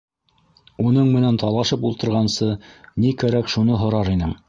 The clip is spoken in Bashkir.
Уның менән талашып ултырғансы, ни кәрәк шуны һорар инең.